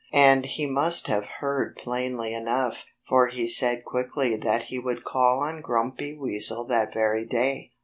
And he must have heard plainly enough, for he said quickly that he would call on Grumpy Weasel that very day.